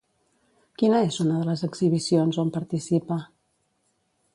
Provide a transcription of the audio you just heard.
Quina és una de les exhibicions on participa?